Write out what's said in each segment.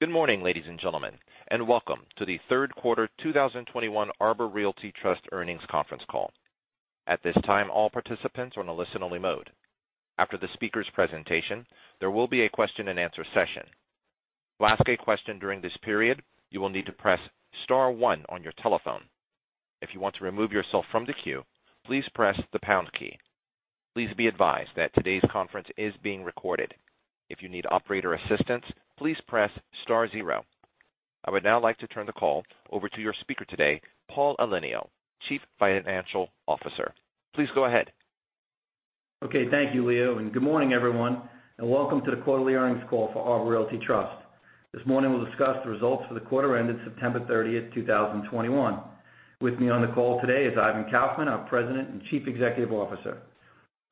Good morning, ladies and gentlemen, and welcome to the third quarter 2021 Arbor Realty Trust earnings conference call. At this time, all participants are on a listen-only mode. After the speakers' presentation, there will be a question-and-answer session. To ask a question during this period, you will need to press star one on your telephone. If you want to remove yourself from the queue, please press the pound key. Please be advised that today's conference is being recorded. If you need operator assistance, please press star zero. I would now like to turn the call over to your speaker today, Paul Elenio, Chief Financial Officer. Please go ahead. Okay. Thank you, Leo, and good morning, everyone, and welcome to the quarterly earnings call for Arbor Realty Trust. This morning we'll discuss the results for the quarter ended September 30th, 2021. With me on the call today is Ivan Kaufman, our President and Chief Executive Officer.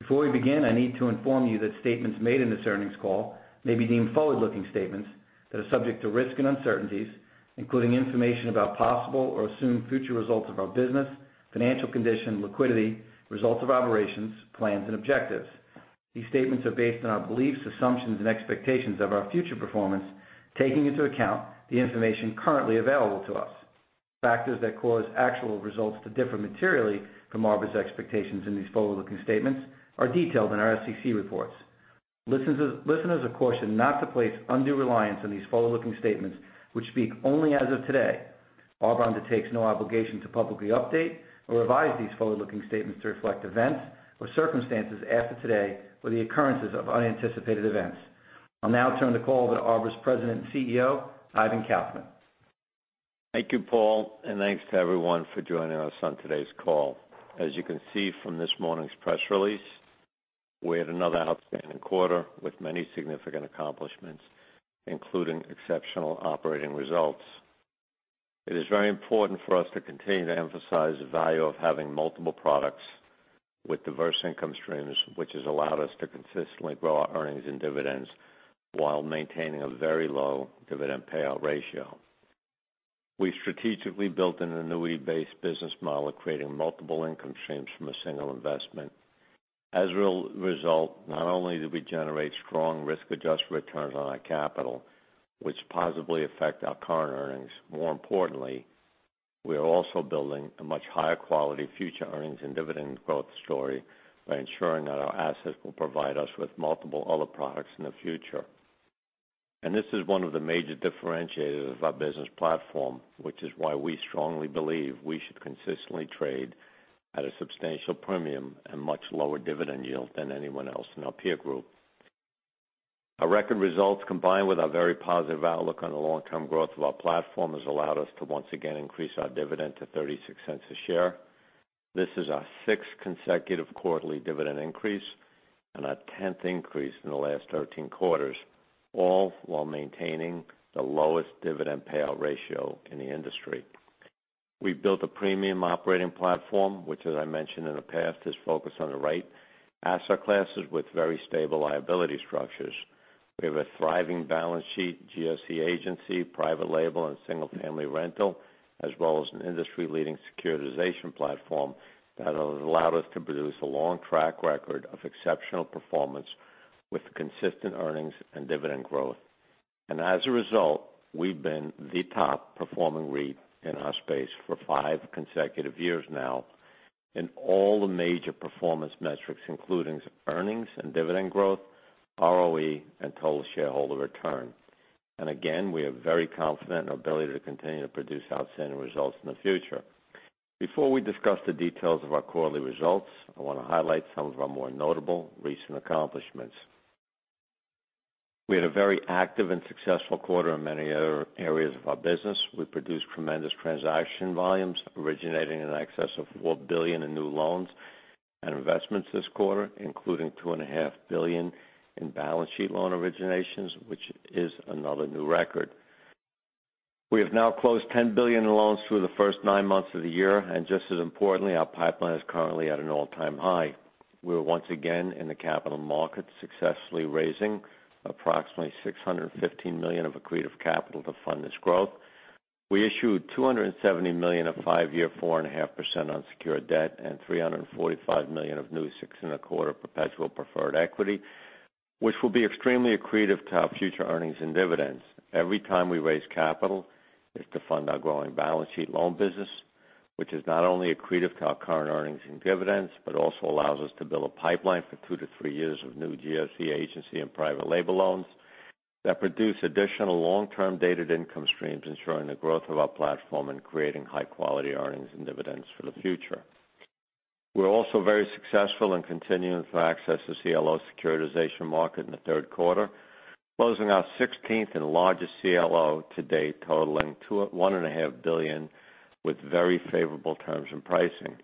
Before we begin, I need to inform you that statements made in this earnings call may be deemed forward-looking statements that are subject to risks and uncertainties, including information about possible or assumed future results of our business, financial condition, liquidity, results of operations, plans, and objectives. These statements are based on our beliefs, assumptions, and expectations of our future performance, taking into account the information currently available to us. Factors that cause actual results to differ materially from Arbor's expectations in these forward-looking statements are detailed in our SEC reports. Listeners are cautioned not to place undue reliance on these forward-looking statements, which speak only as of today. Arbor undertakes no obligation to publicly update or revise these forward-looking statements to reflect events or circumstances after today or the occurrences of unanticipated events. I'll now turn the call over to Arbor's President and CEO, Ivan Kaufman. Thank you, Paul, and thanks to everyone for joining us on today's call. As you can see from this morning's press release, we had another outstanding quarter with many significant accomplishments, including exceptional operating results. It is very important for us to continue to emphasize the value of having multiple products with diverse income streams, which has allowed us to consistently grow our earnings and dividends while maintaining a very low dividend payout ratio. We've strategically built an annuity-based business model of creating multiple income streams from a single investment. As a result, not only do we generate strong risk-adjusted returns on our capital, which positively affect our current earnings, more importantly, we are also building a much higher quality future earnings and dividend growth story by ensuring that our assets will provide us with multiple other products in the future. This is one of the major differentiators of our business platform, which is why we strongly believe we should consistently trade at a substantial premium and much lower dividend yield than anyone else in our peer group. Our record results, combined with our very positive outlook on the long-term growth of our platform, has allowed us to once again increase our dividend to $0.36 a share. This is our sixth consecutive quarterly dividend increase and our 10th increase in the last 13 quarters, all while maintaining the lowest dividend payout ratio in the industry. We've built a premium operating platform, which, as I mentioned in the past, is focused on the right asset classes with very stable liability structures. We have a thriving balance sheet, GSE agency, private-label, and single-family rental, as well as an industry-leading securitization platform that has allowed us to produce a long track record of exceptional performance with consistent earnings and dividend growth. As a result, we've been the top performing REIT in our space for five consecutive years now in all the major performance metrics, including core earnings and dividend growth, ROE, and total shareholder return. Again, we are very confident in our ability to continue to produce outstanding results in the future. Before we discuss the details of our quarterly results, I wanna highlight some of our more notable recent accomplishments. We had a very active and successful quarter in many other areas of our business. We produced tremendous transaction volumes, originating in excess of $4 billion in new loans and investments this quarter, including $2.5 billion in balance sheet loan originations, which is another new record. We have now closed $10 billion in loans through the first nine months of the year, and just as importantly, our pipeline is currently at an all-time high. We are once again in the capital market successfully raising approximately $615 million of accretive capital to fund this growth. We issued $270 million of five-year, 4.5% unsecured debt and $345 million of new 6.25% perpetual preferred equity, which will be extremely accretive to our future earnings and dividends. Every time we raise capital, it's to fund our growing balance sheet loan business, which is not only accretive to our current earnings and dividends, but also allows us to build a pipeline for two to three years of new GSE agency and Private Label loans that produce additional long-term dated income streams, ensuring the growth of our platform and creating high-quality earnings and dividends for the future. We're also very successful in continuing to access the CLO securitization market in the third quarter, closing our 16th and largest CLO to date, totaling $1.5 billion with very favorable terms and pricing.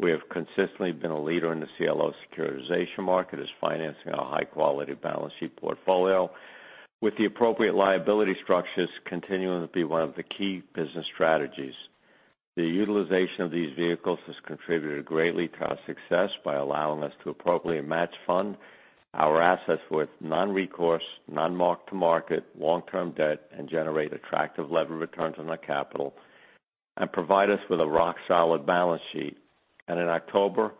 We have consistently been a leader in the CLO securitization market, as financing our high-quality balance sheet portfolio with the appropriate liability structures continuing to be one of the key business strategies. The utilization of these vehicles has contributed greatly to our success by allowing us to appropriately match fund our assets with non-recourse, non-mark-to-market long-term debt and generate attractive levered returns on our capital and provide us with a rock-solid balance sheet. In October,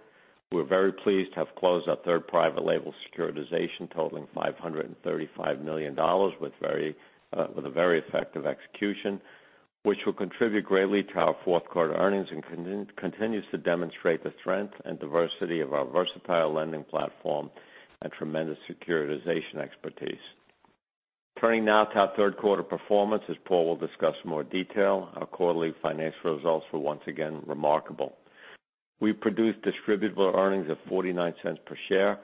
we're very pleased to have closed our third private-label securitization totaling $535 million with a very effective execution, which will contribute greatly to our fourth quarter earnings and continues to demonstrate the strength and diversity of our versatile lending platform and tremendous securitization expertise. Turning now to our third quarter performance, as Paul will discuss in more detail, our quarterly financial results were once again remarkable. We produced distributable earnings of $0.49 per share,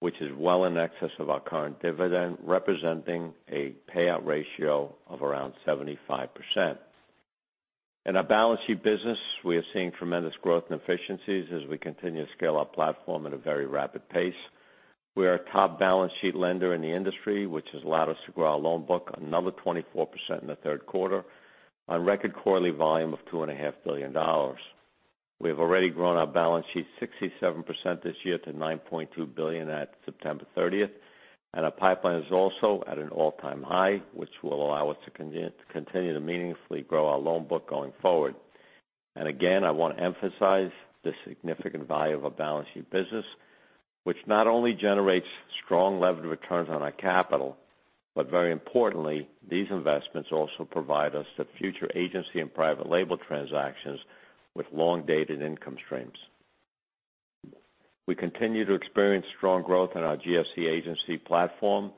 which is well in excess of our current dividend, representing a payout ratio of around 75%. In our balance sheet business, we are seeing tremendous growth and efficiencies as we continue to scale our platform at a very rapid pace. We are a top balance sheet lender in the industry, which has allowed us to grow our loan book another 24% in the third quarter on record quarterly volume of $2.5 billion. We have already grown our balance sheet 67% this year to $9.2 billion at September 30th. Our pipeline is also at an all-time high, which will allow us to continue to meaningfully grow our loan book going forward. Again, I want to emphasize the significant value of our balance sheet business, which not only generates strong levered returns on our capital, but very importantly, these investments also provide us the future agency and private label transactions with long-dated income streams. We continue to experience strong growth in our GSE agency platform,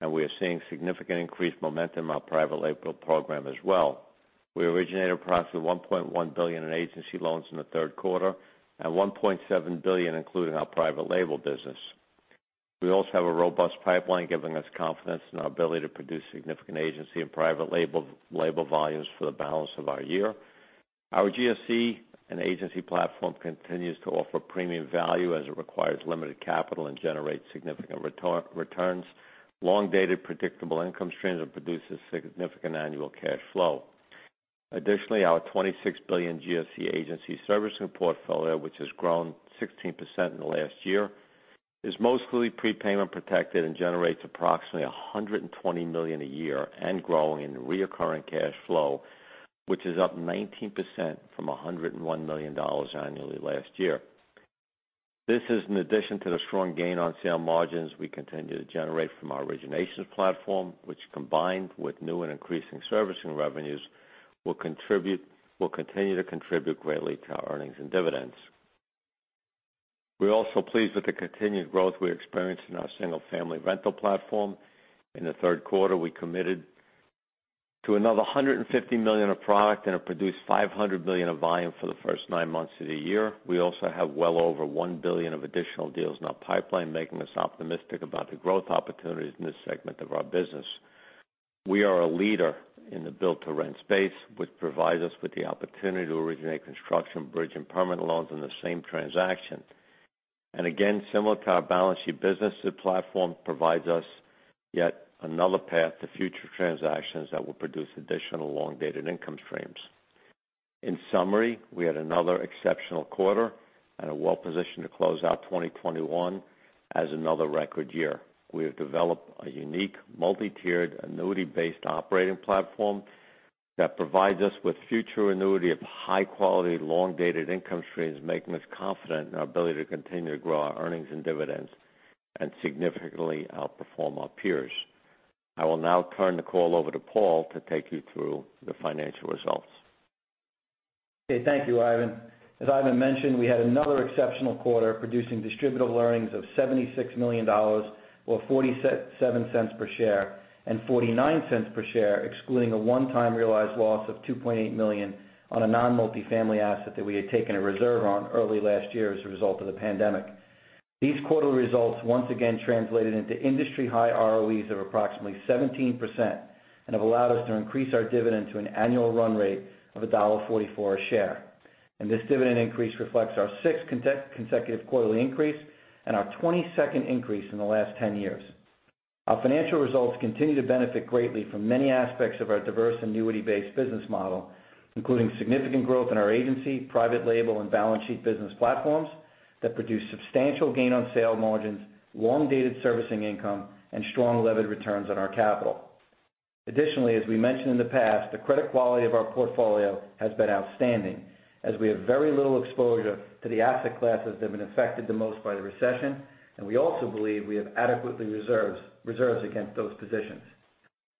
and we are seeing significantly increased momentum in our private label program as well. We originated approximately $1.1 billion in agency loans in the third quarter and $1.7 billion, including our private label business. We also have a robust pipeline giving us confidence in our ability to produce significant agency and private label volumes for the balance of our year. Our GSE and agency platform continues to offer premium value as it requires limited capital and generates significant returns, long-dated predictable income streams, and produces significant annual cash flow. Additionally, our $26 billion GSE agency servicing portfolio, which has grown 16% in the last year, is mostly prepayment protected and generates approximately $120 million a year and growing in recurring cash flow, which is up 19% from $101 million annually last year. This is in addition to the strong gain on sale margins we continue to generate from our originations platform, which combined with new and increasing servicing revenues, will continue to contribute greatly to our earnings and dividends. We're also pleased with the continued growth we experienced in our single-family rental platform. In the third quarter, we committed to another $150 million of product, and it produced $500 million of volume for the first nine months of the year. We also have well over $1 billion of additional deals in our pipeline, making us optimistic about the growth opportunities in this segment of our business. We are a leader in the build-to-rent space, which provides us with the opportunity to originate construction, bridge, and permanent loans in the same transaction. Again, similar to our balance sheet business, the platform provides us yet another path to future transactions that will produce additional long-dated income streams. In summary, we had another exceptional quarter and are well-positioned to close out 2021 as another record year. We have developed a unique multi-tiered annuity-based operating platform that provides us with future annuity of high quality, long-dated income streams, making us confident in our ability to continue to grow our earnings and dividends and significantly outperform our peers. I will now turn the call over to Paul to take you through the financial results. Okay. Thank you, Ivan. As Ivan mentioned, we had another exceptional quarter producing distributable earnings of $76 million or $0.47 per share and $0.49 per share, excluding a one-time realized loss of $2.8 million on a non-multifamily asset that we had taken a reserve on early last year as a result of the pandemic. These quarterly results once again translated into industry-high ROEs of approximately 17% and have allowed us to increase our dividend to an annual run rate of $1.44 a share. This dividend increase reflects our sixth consecutive quarterly increase and our 22nd increase in the last 10 years. Our financial results continue to benefit greatly from many aspects of our diverse annuity-based business model, including significant growth in our agency, private label, and balance sheet business platforms that produce substantial gain on sale margins, long-dated servicing income, and strong levered returns on our capital. Additionally, as we mentioned in the past, the credit quality of our portfolio has been outstanding, as we have very little exposure to the asset classes that have been affected the most by the recession. We also believe we have adequate reserves against those positions.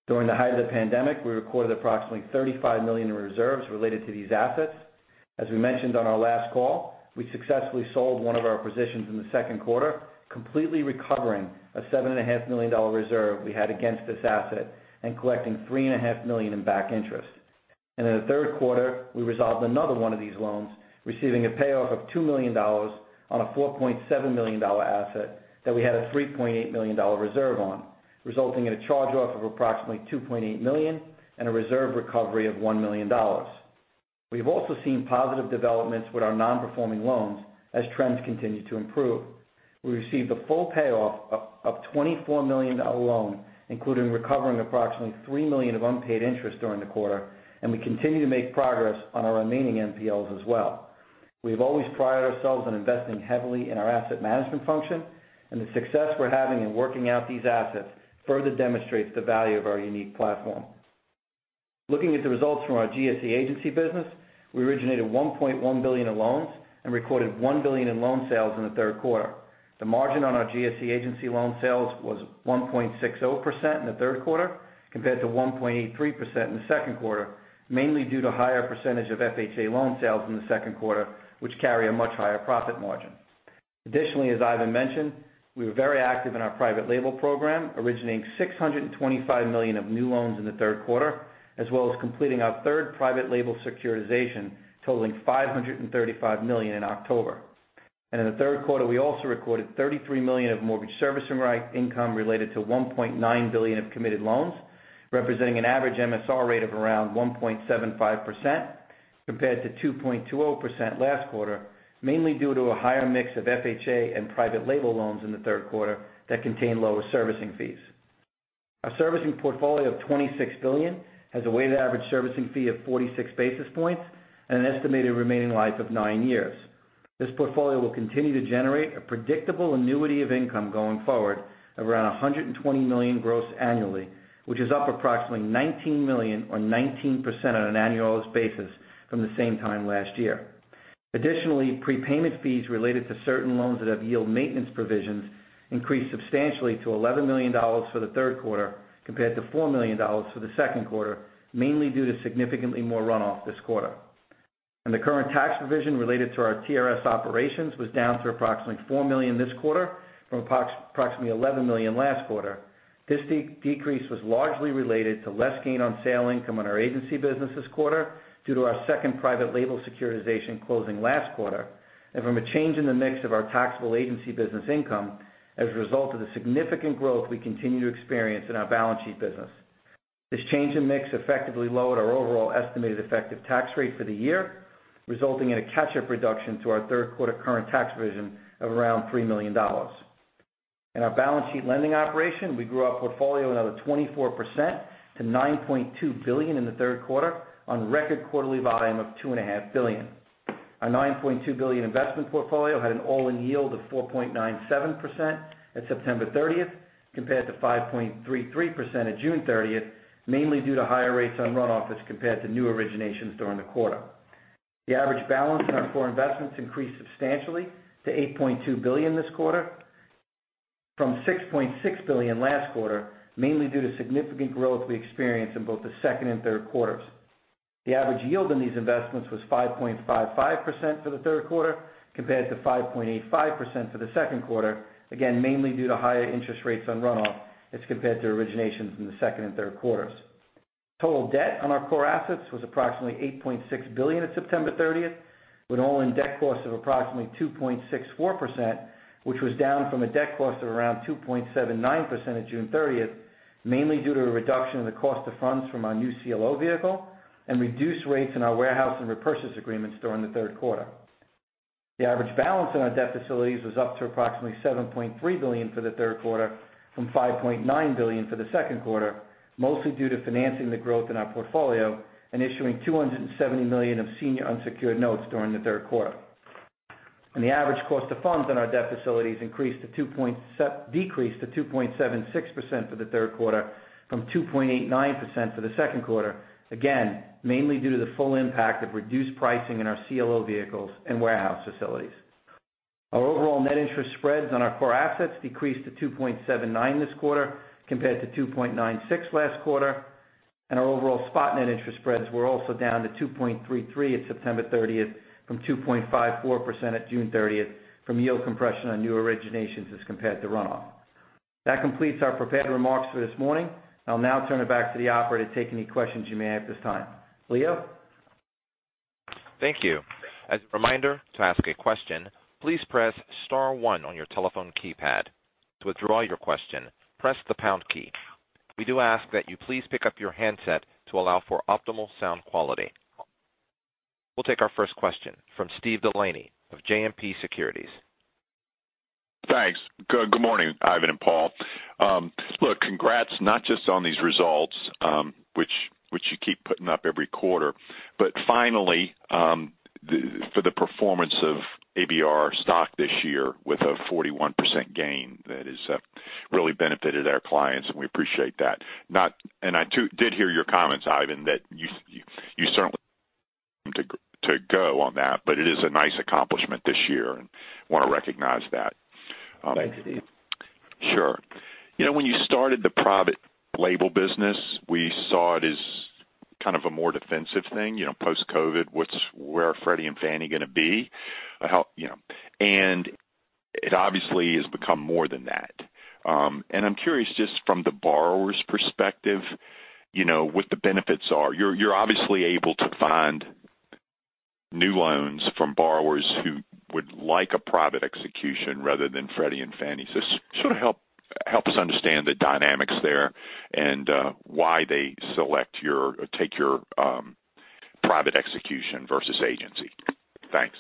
During the height of the pandemic, we recorded approximately $35 million in reserves related to these assets. As we mentioned on our last call, we successfully sold one of our positions in the second quarter, completely recovering a $7.5 million reserve we had against this asset and collecting $3.5 million in back interest. In the third quarter, we resolved another one of these loans, receiving a payoff of $2 million on a $4.7 million asset that we had a $3.8 million reserve on, resulting in a charge-off of approximately $2.8 million and a reserve recovery of $1 million. We have also seen positive developments with our non-performing loans as trends continue to improve. We received a full payoff of a $24 million loan, including recovering approximately $3 million of unpaid interest during the quarter, and we continue to make progress on our remaining NPLs as well. We've always prided ourselves on investing heavily in our asset management function, and the success we're having in working out these assets further demonstrates the value of our unique platform. Looking at the results from our GSE agency business, we originated $1.1 billion in loans and recorded $1 billion in loan sales in the third quarter. The margin on our GSE agency loan sales was 1.60% in the third quarter compared to 1.83% in the second quarter, mainly due to higher percentage of FHA loan sales in the second quarter, which carry a much higher profit margin. Additionally, as Ivan mentioned, we were very active in our private label program, originating $625 million of new loans in the third quarter, as well as completing our third private label securitization totaling $535 million in October. In the third quarter, we also recorded $33 million of mortgage servicing right income related to $1.9 billion of committed loans, representing an average MSR rate of around 1.75% compared to 2.20% last quarter, mainly due to a higher mix of FHA and private label loans in the third quarter that contain lower servicing fees. Our servicing portfolio of $26 billion has a weighted average servicing fee of 46 basis points and an estimated remaining life of nine years. This portfolio will continue to generate a predictable annuity of income going forward of around $120 million gross annually, which is up approximately $19 million or 19% on an annualized basis from the same time last year. Additionally, prepayment fees related to certain loans that have yield maintenance provisions increased substantially to $11 million for the third quarter compared to $4 million for the second quarter, mainly due to significantly more runoff this quarter. The current tax provision related to our TRS operations was down to approximately $4 million this quarter from approximately $11 million last quarter. This decrease was largely related to less gain on sale income on our agency business this quarter due to our second private label securitization closing last quarter and from a change in the mix of our taxable agency business income as a result of the significant growth we continue to experience in our balance sheet business. This change in mix effectively lowered our overall estimated effective tax rate for the year, resulting in a catch-up reduction to our third quarter current tax provision of around $3 million. In our balance sheet lending operation, we grew our portfolio another 24% to $9.2 billion in the third quarter on record quarterly volume of $2.5 billion. Our $9.2 billion investment portfolio had an all-in yield of 4.97% at September 30th compared to 5.33% at June 30th, mainly due to higher rates on runoff as compared to new originations during the quarter. The average balance in our core investments increased substantially to $8.2 billion this quarter from $6.6 billion last quarter, mainly due to significant growth we experienced in both the second and third quarters. The average yield on these investments was 5.55% for the third quarter compared to 5.85% for the second quarter, again, mainly due to higher interest rates on runoff as compared to originations in the second and third quarters. Total debt on our core assets was approximately $8.6 billion at September 30th, with all-in debt cost of approximately 2.64%, which was down from a debt cost of around 2.79% at June 30th, mainly due to a reduction in the cost of funds from our new CLO vehicle and reduced rates in our warehouse and repurchase agreements during the third quarter. The average balance on our debt facilities was up to approximately $7.3 billion for the third quarter from $5.9 billion for the second quarter, mostly due to financing the growth in our portfolio and issuing $270 million of senior unsecured notes during the third quarter. The average cost of funds on our debt facilities decreased to 2.76% for the third quarter from 2.89% for the second quarter, again, mainly due to the full impact of reduced pricing in our CLO vehicles and warehouse facilities. Our overall net interest spreads on our core assets decreased to 2.79% this quarter compared to 2.96% last quarter, and our overall spot net interest spreads were also down to 2.33% at September 30th from 2.54% at June 30th from yield compression on new originations as compared to runoff. That completes our prepared remarks for this morning. I'll now turn it back to the operator to take any questions you may have at this time. Leo? Thank you. As a reminder, to ask a question, please press star one on your telephone keypad. To withdraw your question, press the pound key. We do ask that you please pick up your handset to allow for optimal sound quality. We'll take our first question from Steve DeLaney of JMP Securities. Thanks. Good morning, Ivan and Paul. Look, congrats not just on these results, which you keep putting up every quarter, but finally the performance of ABR stock this year with a 41% gain. That has really benefited our clients, and we appreciate that. I too did hear your comments, Ivan, that you certainly don't want to go on that, but it is a nice accomplishment this year and wanna recognize that. Thanks, Steve. Sure. You know, when you started the private label business, we saw it as kind of a more defensive thing, you know, post-COVID, where are Freddie and Fannie gonna be? How, you know. It obviously has become more than that. I'm curious, just from the borrower's perspective, you know, what the benefits are. You're obviously able to find new loans from borrowers who would like a private execution rather than Freddie and Fannie. Sort of help us understand the dynamics there and why they select your or take your private execution versus agency. Thanks.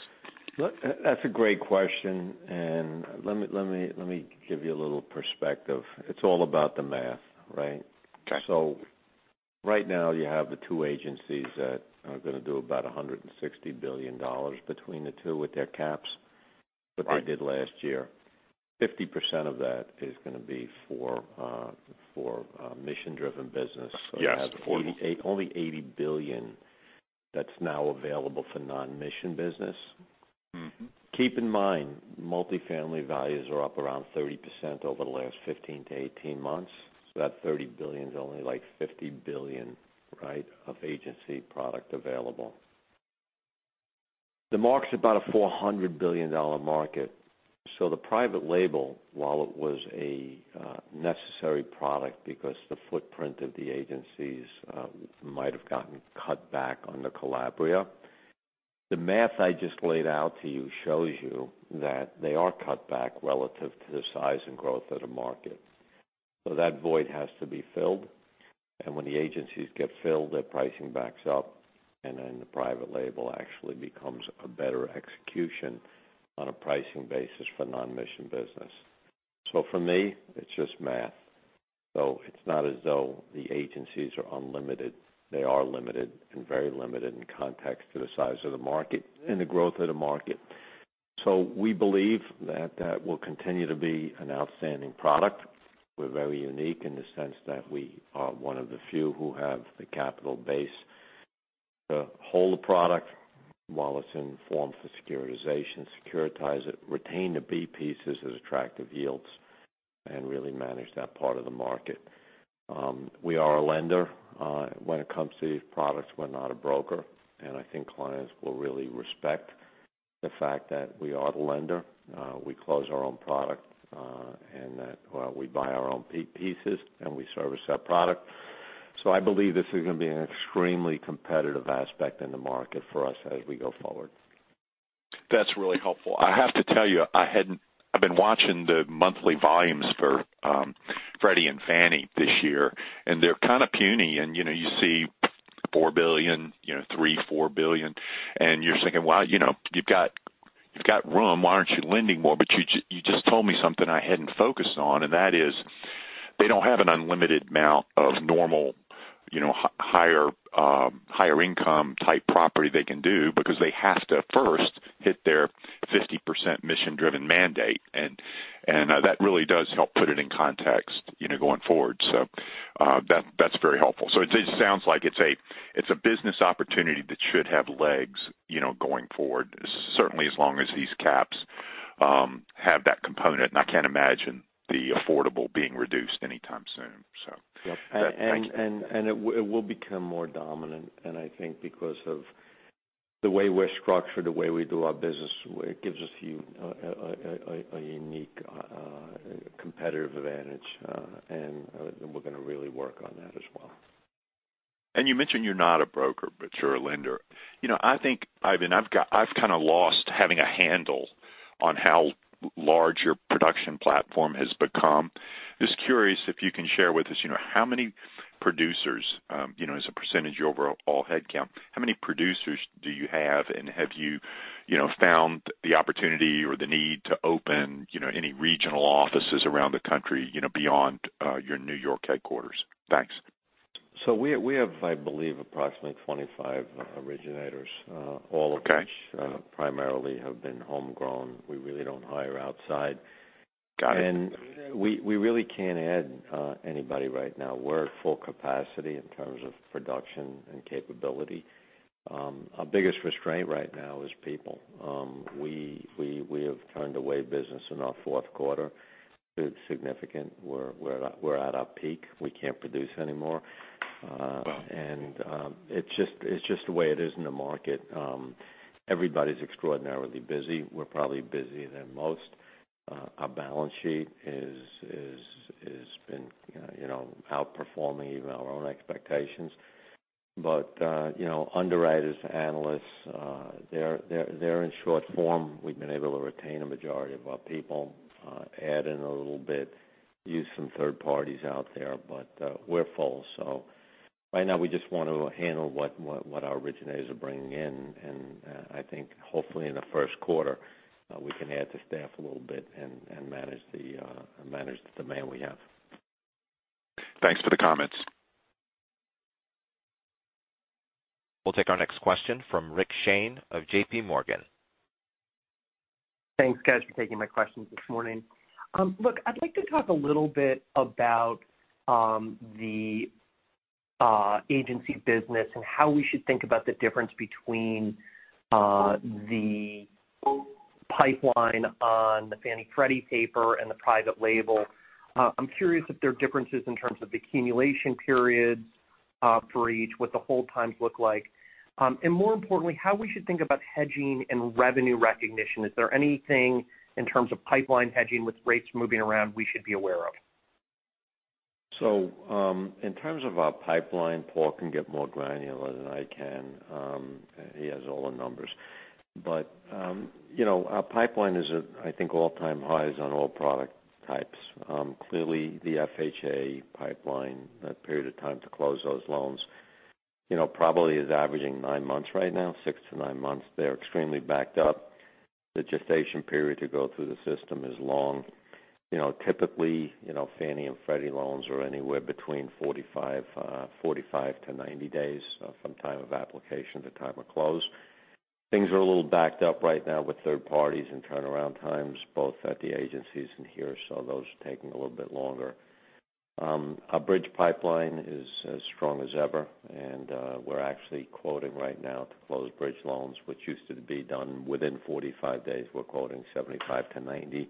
Look, that's a great question, and let me give you a little perspective. It's all about the math, right? Okay. Right now you have the two agencies that are gonna do about $160 billion between the two with their caps. What they did last year. 50% of that is gonna be for mission-driven business. Yes. You have only $80 billion that's now available for non-mission business. Mm-hmm. Keep in mind, multifamily values are up around 30% over the last 15-18 months. That $30 billion is only like $50 billion, right, of agency product available. The market's about a $400 billion market. The private label, while it was a necessary product because the footprint of the agencies might have gotten cut back under Calabria. The math I just laid out to you shows you that they are cut back relative to the size and growth of the market. That void has to be filled. When the agencies get filled, their pricing backs up, and then the private label actually becomes a better execution on a pricing basis for non-mission business. For me, it's just math. It's not as though the agencies are unlimited. They are limited and very limited in context to the size of the market and the growth of the market. We believe that that will continue to be an outstanding product. We're very unique in the sense that we are one of the few who have the capital base to hold the product while it's in form for securitization, securitize it, retain the B-pieces as attractive yields, and really manage that part of the market. We are a lender when it comes to these products. We're not a broker. I think clients will really respect the fact that we are the lender. We close our own product, and that, well, we buy our own B-pieces, and we service our product. I believe this is gonna be an extremely competitive aspect in the market for us as we go forward. That's really helpful. I have to tell you, I've been watching the monthly volumes for Freddie and Fannie this year, and they're kind of puny. You know, you see $4 billion, you know, $3 billion-$4 billion, and you're thinking, well, you know, you've got room. Why aren't you lending more? You just told me something I hadn't focused on, and that is they don't have an unlimited amount of normal, you know, higher income type property they can do because they have to first hit their 50% mission-driven mandate. That really does help put it in context, you know, going forward. That's very helpful. It sounds like it's a business opportunity that should have legs, you know, going forward, certainly as long as these caps have that component. I can't imagine the affordable being reduced anytime soon. Yep. Thanks. It will become more dominant. I think because of the way we're structured, the way we do our business, it gives us a unique competitive advantage. We're gonna really work on that as well. You mentioned you're not a broker, but you're a lender. You know, I think, Ivan, I've kind of lost having a handle on how large your production platform has become. Just curious if you can share with us, you know, how many producers, you know, as a percentage of your overall headcount, how many producers do you have, and have you know, found the opportunity or the need to open, you know, any regional offices around the country, you know, beyond your New York headquarters? Thanks. We have, I believe, approximately 25 originators. Okay. All of which primarily have been homegrown. We really don't hire outside. Got it. We really can't add anybody right now. We're at full capacity in terms of production and capability. Our biggest constraint right now is people. We have turned away business in our fourth quarter. It's significant. We're at our peak. We can't produce anymore. Wow. It's just the way it is in the market. Everybody's extraordinarily busy. We're probably busier than most. Our balance sheet has been, you know, outperforming even our own expectations. You know, underwriters, analysts, they're in short supply. We've been able to retain a majority of our people, add in a little bit, use some third parties out there, but we're full. Right now, we just want to handle what our originators are bringing in. I think hopefully in the first quarter, we can add the staff a little bit and manage the demand we have. Thanks for the comments. We'll take our next question from Rick Shane of JPMorgan. Thanks, guys, for taking my questions this morning. Look, I'd like to talk a little bit about the agency business and how we should think about the difference between the pipeline on the Fannie-Freddie paper and the private-label. I'm curious if there are differences in terms of the accumulation periods for each, what the hold times look like. More importantly, how we should think about hedging and revenue recognition. Is there anything in terms of pipeline hedging with rates moving around we should be aware of? In terms of our pipeline, Paul can get more granular than I can. He has all the numbers. You know, our pipeline is at, I think, all-time highs on all product types. Clearly, the FHA pipeline, that period of time to close those loans, you know, probably is averaging nine months right now, six to nine months. They're extremely backed up. The gestation period to go through the system is long. You know, typically, you know, Fannie and Freddie loans are anywhere between 45-90 days from time of application to time of close. Things are a little backed up right now with third parties and turnaround times, both at the agencies and here. Those are taking a little bit longer. Our bridge pipeline is as strong as ever, and we're actually quoting right now to close bridge loans, which used to be done within 45 days. We're quoting 75-90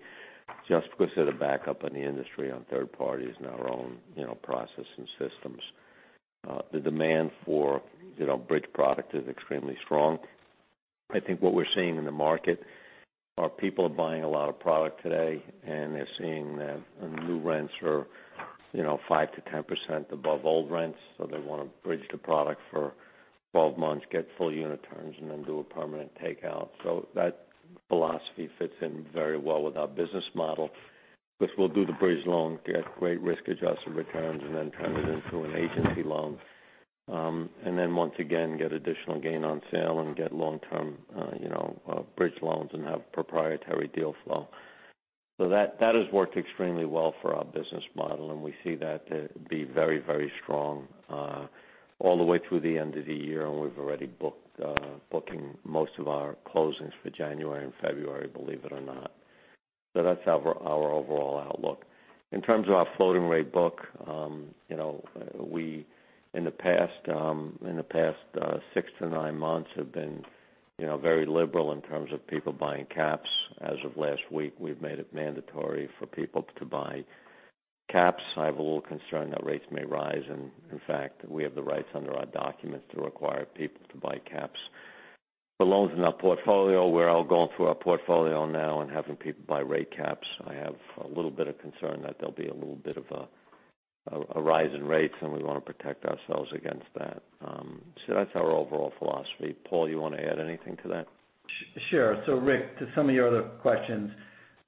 just because of the backup in the industry on third parties and our own, you know, process and systems. The demand for, you know, bridge product is extremely strong. I think what we're seeing in the market are people are buying a lot of product today, and they're seeing that new rents are, you know, 5%-10% above old rents. They want to bridge the product for 12 months, get full unit terms, and then do a permanent takeout. That philosophy fits in very well with our business model, which we'll do the bridge loan, get great risk-adjusted returns, and then turn it into an agency loan. Once again, get additional gain on sale and get long-term, you know, bridge loans and have proprietary deal flow. That has worked extremely well for our business model. We see that to be very, very strong all the way through the end of the year. We've already booked most of our closings for January and February, believe it or not. That's our overall outlook. In terms of our floating rate book, you know, we in the past six to nine months have been, you know, very liberal in terms of people buying caps. As of last week, we've made it mandatory for people to buy caps. I have a little concern that rates may rise. In fact, we have the rights under our documents to require people to buy caps. The loans in our portfolio, we're all going through our portfolio now and having people buy rate caps. I have a little bit of concern that there'll be a little bit of a rise in rates, and we want to protect ourselves against that. That's our overall philosophy. Paul, you want to add anything to that? Sure. Rick, to some of your other questions,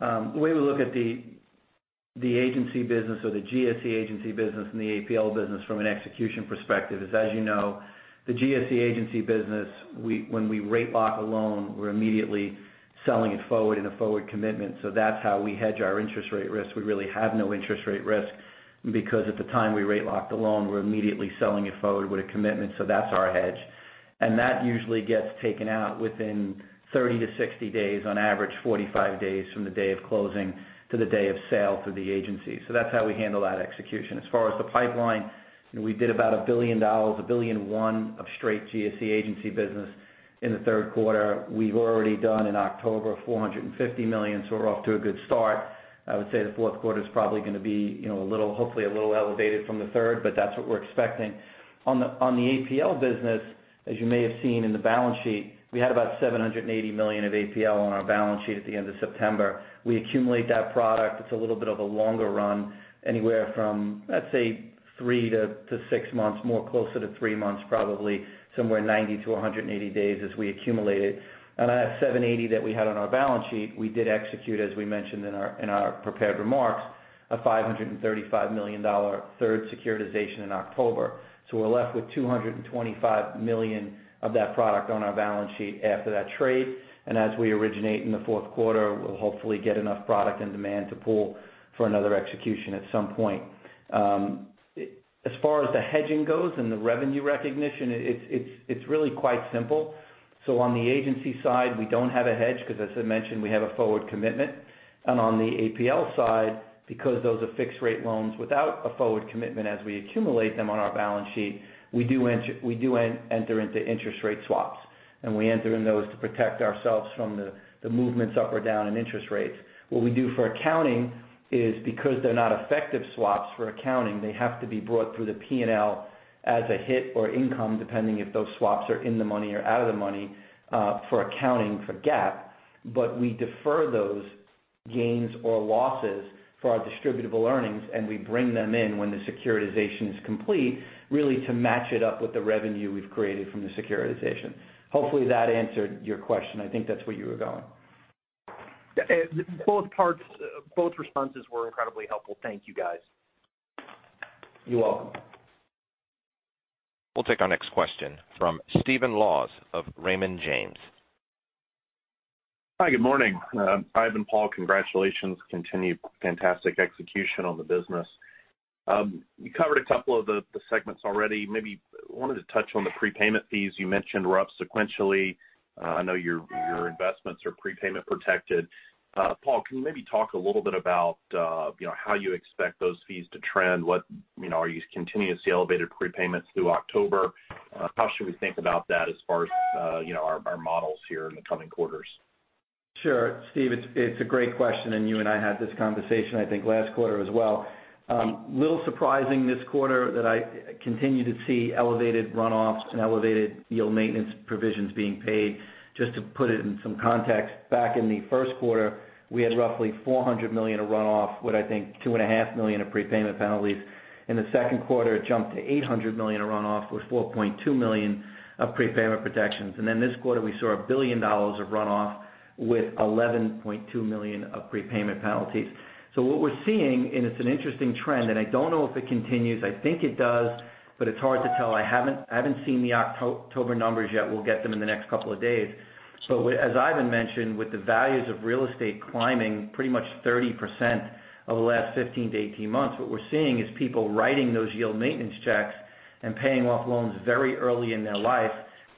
the way we look at the agency business or the GSE agency business and the APL business from an execution perspective is, as you know, the GSE agency business, when we rate lock a loan, we're immediately selling it forward in a forward commitment. That's how we hedge our interest rate risk. We really have no interest rate risk because at the time we rate lock the loan, we're immediately selling it forward with a commitment. That's our hedge. That usually gets taken out within 30-60 days. On average, 45 days from the day of closing to the day of sale to the agency. That's how we handle that execution. As far as the pipeline, we did about $1 billion, $1.01 billion of straight GSE agency business in the third quarter. We've already done in October $450 million. We're off to a good start. I would say the fourth quarter is probably going to be, you know, a little, hopefully a little elevated from the third. That's what we're expecting. On the APL business, as you may have seen in the balance sheet, we had about $780 million of APL on our balance sheet at the end of September. We accumulate that product. It's a little bit of a longer run, anywhere from, let's say, three to six months, more closer to three months, probably somewhere 90 to 180 days as we accumulate it. That $780 million that we had on our balance sheet, we did execute, as we mentioned in our prepared remarks, a $535 million third securitization in October. We're left with $225 million of that product on our balance sheet after that trade. As we originate in the fourth quarter, we'll hopefully get enough product and demand to pull for another execution at some point. As far as the hedging goes and the revenue recognition, it's really quite simple. On the agency side, we don't have a hedge because as I mentioned, we have a forward commitment. On the APL side, because those are fixed rate loans without a forward commitment, as we accumulate them on our balance sheet, we enter into interest rate swaps. We enter in those to protect ourselves from the movements up or down in interest rates. What we do for accounting is because they're not effective swaps for accounting, they have to be brought through the P&L as a hit or income, depending if those swaps are in the money or out of the money, for accounting for GAAP. We defer those gains or losses for our distributable earnings, and we bring them in when the securitization is complete, really to match it up with the revenue we've created from the securitization. Hopefully, that answered your question. I think that's where you were going. Yeah, both parts, both responses were incredibly helpful. Thank you, guys. You're welcome. We'll take our next question from Stephen Laws of Raymond James. Hi, good morning. Ivan, Paul, congratulations. Continued fantastic execution on the business. You covered a couple of the segments already. Maybe wanted to touch on the prepayment fees you mentioned were up sequentially. I know your investments are prepayment protected. Paul, can you maybe talk a little bit about, you know, how you expect those fees to trend? You know, are you continuing to see elevated prepayments through October? How should we think about that as far as, you know, our models here in the coming quarters? Sure. Steve, it's a great question, and you and I had this conversation, I think, last quarter as well. A little surprising this quarter that I continue to see elevated runoffs and elevated yield maintenance provisions being paid. Just to put it in some context, back in the first quarter, we had roughly $400 million of runoff with, I think, $2.5 million of prepayment penalties. In the second quarter, it jumped to $800 million of runoff with $4.2 million of prepayment protections. Then this quarter, we saw $1 billion of runoff with $11.2 million of prepayment penalties. What we're seeing, and it's an interesting trend, and I don't know if it continues. I think it does, but it's hard to tell. I haven't seen the October numbers yet. We'll get them in the next couple of days. As Ivan mentioned, with the values of real estate climbing pretty much 30% over the last 15-18 months, what we're seeing is people writing those yield maintenance checks and paying off loans very early in their life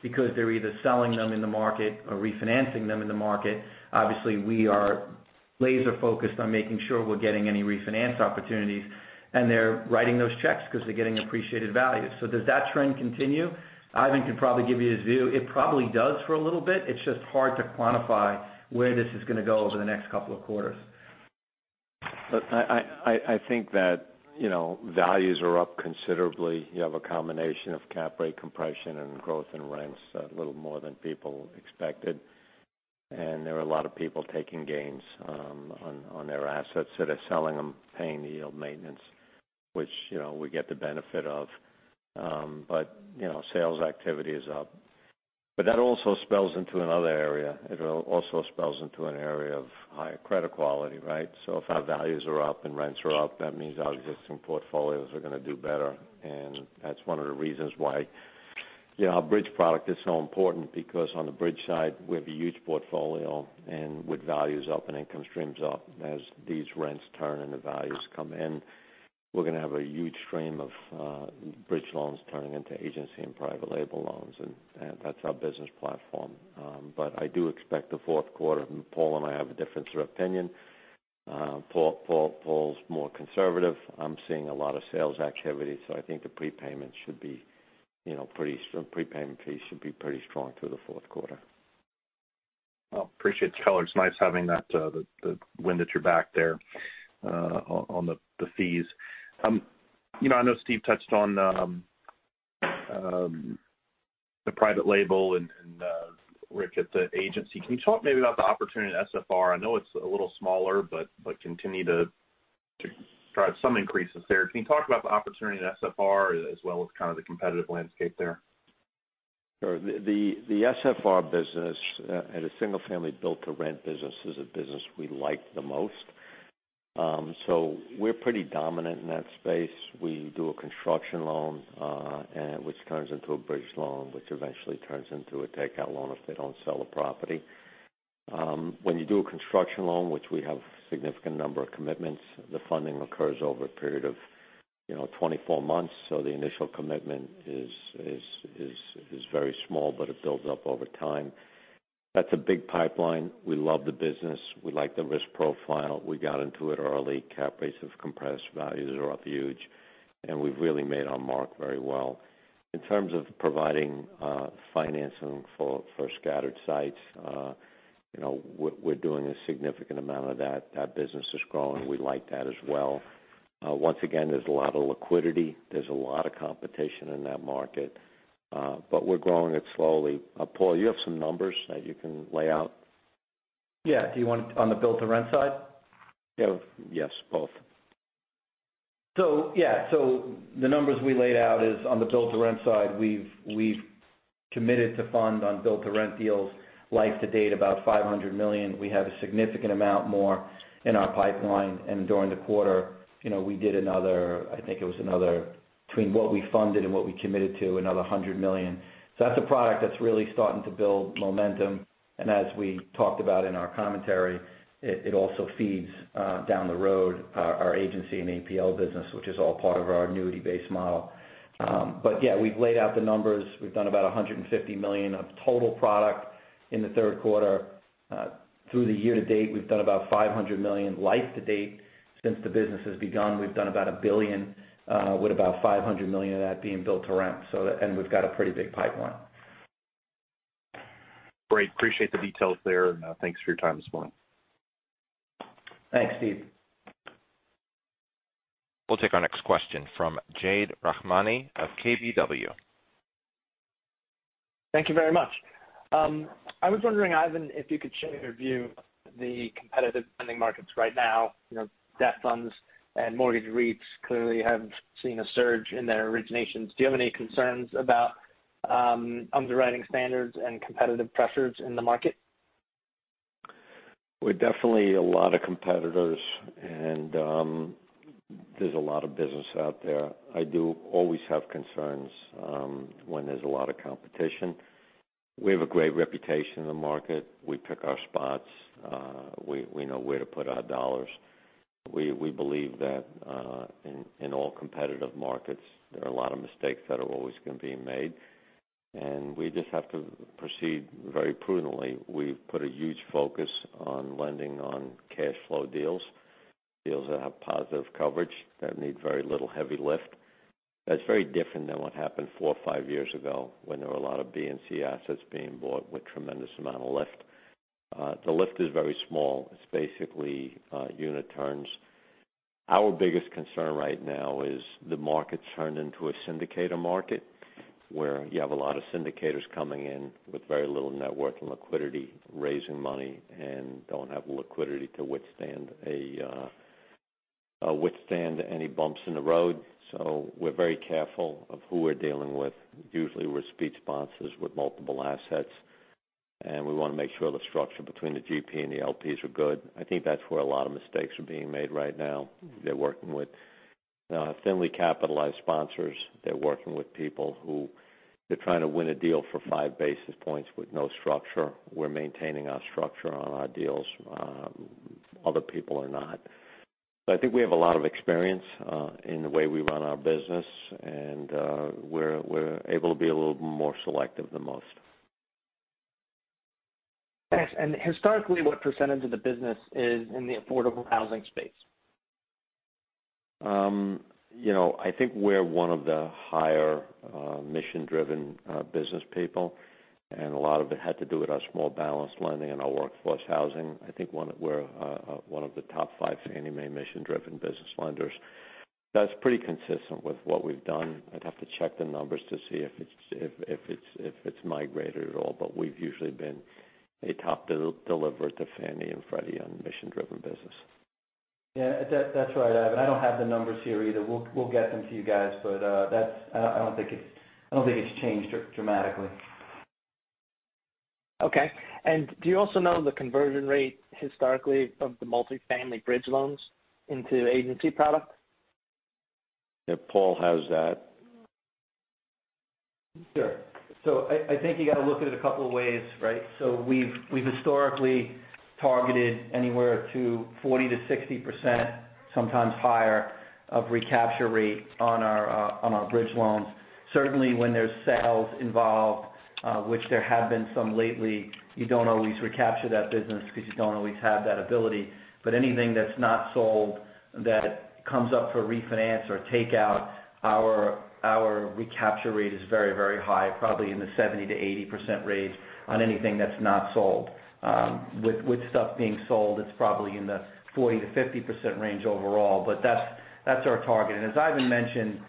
because they're either selling them in the market or refinancing them in the market. Obviously, we are laser focused on making sure we're getting any refinance opportunities, and they're writing those checks because they're getting appreciated value. Does that trend continue? Ivan can probably give you his view. It probably does for a little bit. It's just hard to quantify where this is gonna go over the next couple of quarters. I think that, you know, values are up considerably. You have a combination of cap rate compression and growth in rents, a little more than people expected. There are a lot of people taking gains on their assets. They're selling them, paying the yield maintenance, which, you know, we get the benefit of. You know, sales activity is up. That also spills into another area. It also spills into an area of higher credit quality, right? If our values are up and rents are up, that means our existing portfolios are gonna do better. That's one of the reasons why, you know, our bridge product is so important because on the bridge side, we have a huge portfolio, and with values up and income streams up, as these rents turn and the values come in, we're gonna have a huge stream of bridge loans turning into agency and private label loans. That's our business platform. But I do expect the fourth quarter, and Paul and I have a difference of opinion. Paul's more conservative. I'm seeing a lot of sales activity, so I think prepayment fees should be, you know, pretty strong through the fourth quarter. Well, I appreciate the color. It's nice having that, the wind at your back there, on the fees. You know, I know Steve touched on the private label and Rick at the agency. Can you talk maybe about the opportunity at SFR? I know it's a little smaller, but continue to drive some increases there. Can you talk about the opportunity at SFR as well as kind of the competitive landscape there? Sure. The SFR business and the single-family build-to-rent business is a business we like the most. We're pretty dominant in that space. We do a construction loan and which turns into a bridge loan, which eventually turns into a takeout loan if they don't sell the property. When you do a construction loan, which we have a significant number of commitments, the funding occurs over a period of, you know, 24 months. The initial commitment is very small, but it builds up over time. That's a big pipeline. We love the business. We like the risk profile. We got into it early. Cap rates have compressed. Values are up huge, and we've really made our mark very well. In terms of providing financing for scattered sites, you know, we're doing a significant amount of that. That business is growing. We like that as well. Once again, there's a lot of liquidity. There's a lot of competition in that market, but we're growing it slowly. Paul, you have some numbers that you can lay out? Yeah. Do you want on the build-to-rent side? Yeah. Yes, both. Yeah. The numbers we laid out is on the build-to-rent side, we've committed to fund on build-to-rent deals life to date about $500 million. We have a significant amount more in our pipeline. During the quarter, you know, we did another, I think it was between what we funded and what we committed to, another $100 million. That's a product that's really starting to build momentum. As we talked about in our commentary, it also feeds down the road, our agency and APL business, which is all part of our annuity-based model. But yeah, we've laid out the numbers. We've done about $150 million of total product in the third quarter. Through the year to date, we've done about $500 million. Year to date since the business has begun, we've done about $1 billion with about $500 million of that being build-to-rent. We've got a pretty big pipeline. Great. Appreciate the details there, and, thanks for your time this morning. Thanks, Steve. We'll take our next question from Jade Rahmani of KBW. Thank you very much. I was wondering, Ivan, if you could share your view of the competitive lending markets right now. You know, debt funds and mortgage REITs clearly have seen a surge in their originations. Do you have any concerns about, underwriting standards and competitive pressures in the market? There are definitely a lot of competitors, and there's a lot of business out there. I do always have concerns when there's a lot of competition. We have a great reputation in the market. We pick our spots. We know where to put our dollars. We believe that in all competitive markets, there are a lot of mistakes that are always going to be made, and we just have to proceed very prudently. We've put a huge focus on lending on cash flow deals that have positive coverage, that need very little heavy lift. That's very different than what happened four or five years ago when there were a lot of B and C assets being bought with tremendous amount of lift. The lift is very small. It's basically unit turns. Our biggest concern right now is the market's turned into a syndicator market, where you have a lot of syndicators coming in with very little net worth and liquidity, raising money and don't have the liquidity to withstand any bumps in the road. We're very careful of who we're dealing with. Usually, we're repeat sponsors with multiple assets, and we want to make sure the structure between the GP and the LPs are good. I think that's where a lot of mistakes are being made right now. They're working with thinly capitalized sponsors. They're working with people who they're trying to win a deal for five basis points with no structure. We're maintaining our structure on our deals. Other people are not. I think we have a lot of experience in the way we run our business, and we're able to be a little more selective than most. Thanks. Historically, what percentage of the business is in the affordable housing space? You know, I think we're one of the higher mission-driven business people, and a lot of it had to do with our small balance lending and our workforce housing. I think we're one of the top five Fannie Mae mission-driven business lenders. That's pretty consistent with what we've done. I'd have to check the numbers to see if it's migrated at all. We've usually been a top deliverer to Fannie and Freddie on mission-driven business. Yeah, that's right, Ivan. I don't have the numbers here either. We'll get them to you guys. That's, I don't think it's changed dramatically. Okay. Do you also know the conversion rate historically of the multifamily bridge loans into agency product? Yeah, Paul has that. Sure. I think you got to look at it a couple of ways, right? We've historically targeted anywhere to 40%-60%, sometimes higher, of recapture rate on our bridge loans. Certainly, when there's sales involved, which there have been some lately, you don't always recapture that business because you don't always have that ability. Anything that's not sold that comes up for refinance or take out, our recapture rate is very high, probably in the 70%-80% range on anything that's not sold. With stuff being sold, it's probably in the 40%-50% range overall. That's our target. As Ivan mentioned,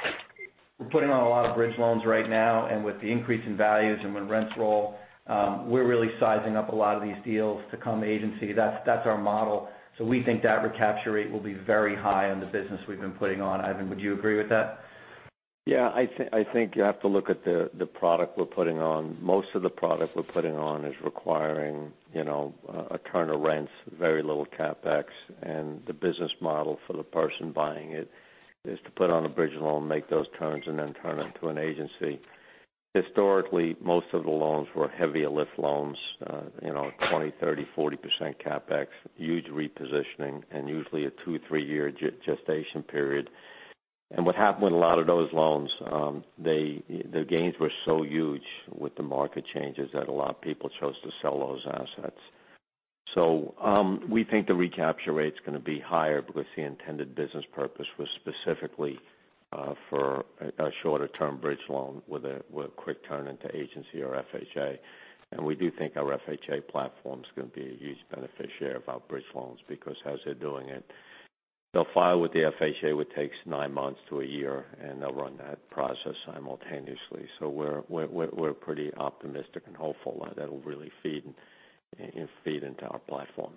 we're putting on a lot of bridge loans right now, and with the increase in values and when rents roll, we're really sizing up a lot of these deals to come agency. That's our model. We think that recapture rate will be very high on the business we've been putting on. Ivan, would you agree with that? Yeah, I think you have to look at the product we're putting on. Most of the product we're putting on is requiring, you know, a turn of rents, very little CapEx. The business model for the person buying it is to put on a bridge loan, make those turns, and then turn it to an agency. Historically, most of the loans were heavier lift loans, 20%, 30%, 40% CapEx, huge repositioning and usually a two- or three-year gestation period. What happened with a lot of those loans, the gains were so huge with the market changes that a lot of people chose to sell those assets. We think the recapture rate's gonna be higher because the intended business purpose was specifically for a shorter-term bridge loan with a quick turn into agency or FHA. We do think our FHA platform is gonna be a huge beneficiary of our bridge loans because as they're doing it, they'll file with the FHA, which takes nine months to a year, and they'll run that process simultaneously. We're pretty optimistic and hopeful that'll really feed into our platform.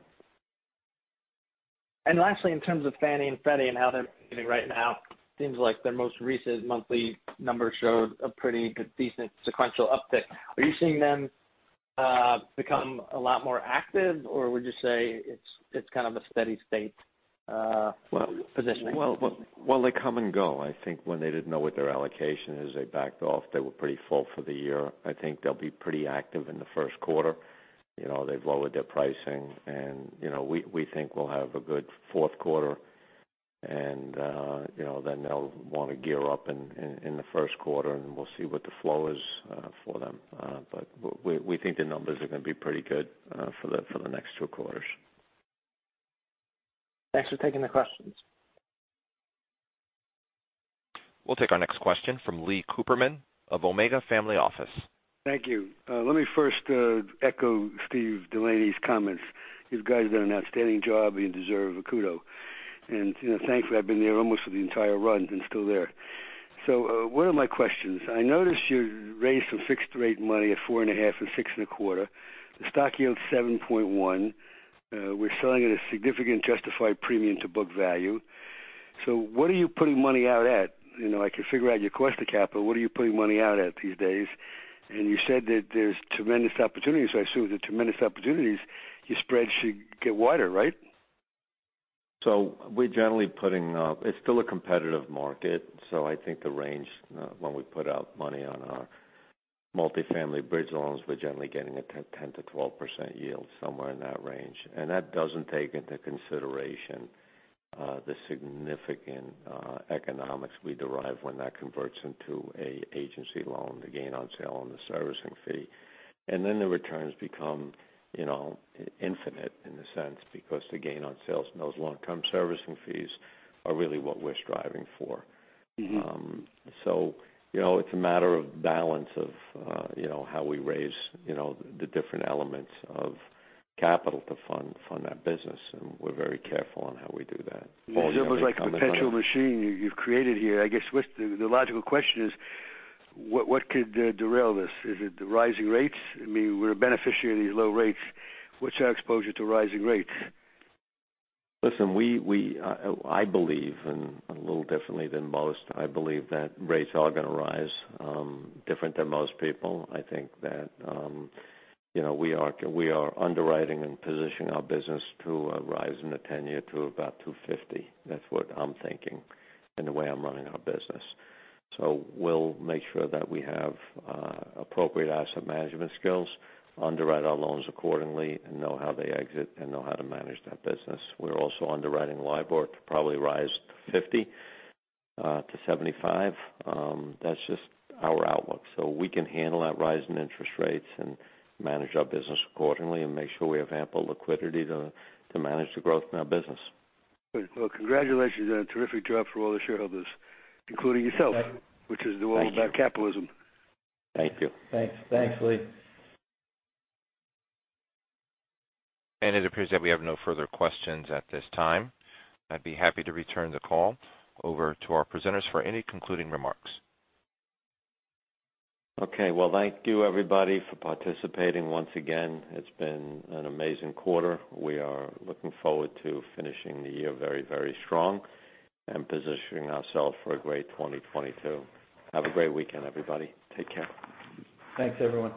Lastly, in terms of Fannie and Freddie and how they're doing right now, it seems like their most recent monthly numbers showed a pretty decent sequential uptick. Are you seeing them become a lot more active, or would you say it's kind of a steady-state positioning? Well, well, well, they come and go. I think when they didn't know what their allocation is, they backed off. They were pretty full for the year. I think they'll be pretty active in the first quarter. You know, they've lowered their pricing and, you know, we think we'll have a good fourth quarter. You know, then they'll want to gear up in the first quarter, and we'll see what the flow is for them. But we think the numbers are gonna be pretty good for the next two quarters. Thanks for taking the questions. We'll take our next question from Lee Cooperman of Omega Family Office. Thank you. Let me first echo Steve DeLaney's comments. You guys done an outstanding job. You deserve a kudo. You know, thankfully, I've been there almost for the entire run and still there. One of my questions. I noticed you raised some fixed rate money at 4.5% and 6.25%. The stock yield, 7.1%. We're selling at a significant justified premium to book value. What are you putting money out at? You know, I can figure out your cost of capital. What are you putting money out at these days? You said that there's tremendous opportunities. I assume with the tremendous opportunities, your spread should get wider, right? It's still a competitive market. I think the range, when we put out money on our multifamily bridge loans, we're generally getting a 10%-12% yield, somewhere in that range. That doesn't take into consideration the significant economics we derive when that converts into a agency loan, the gain on sale and the servicing fee. Then the returns become, you know, infinite in a sense because the gain on sales and those long-term servicing fees are really what we're striving for. Mm-hmm. You know, it's a matter of balance of, you know, how we raise, you know, the different elements of capital to fund that business, and we're very careful on how we do that. It's almost like a potential machine you've created here. I guess what's the logical question is what could derail this? Is it the rising rates? I mean, we're a beneficiary of these low rates. What's your exposure to rising rates? Listen, I believe and a little differently than most. I believe that rates are gonna rise, different than most people. I think that, you know, we are underwriting and positioning our business to a rise in the 10-year to about 2.50. That's what I'm thinking and the way I'm running our business. We'll make sure that we have appropriate asset management skills, underwrite our loans accordingly, and know how they exit and know how to manage that business. We're also underwriting LIBOR to probably rise 50%-75%. That's just our outlook. We can handle that rise in interest rates and manage our business accordingly and make sure we have ample liquidity to manage the growth in our business. Good. Well, congratulations on a terrific job for all the shareholders, including yourself. Thank you. which is all about capitalism. Thank you. Thanks. Thanks, Lee. It appears that we have no further questions at this time. I'd be happy to return the call over to our presenters for any concluding remarks. Okay. Well, thank you everybody for participating once again. It's been an amazing quarter. We are looking forward to finishing the year very, very strong and positioning ourselves for a great 2022. Have a great weekend, everybody. Take care. Thanks, everyone.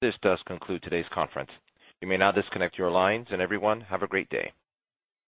This does conclude today's conference. You may now disconnect your lines, and everyone, have a great day.